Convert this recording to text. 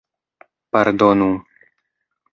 pardonu